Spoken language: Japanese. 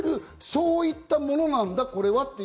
そういったものなんだ、これはと。